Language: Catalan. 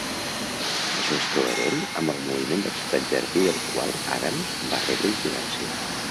Això és coherent amb el moviment de ciutat Jardí del qual Adams va rebre influència.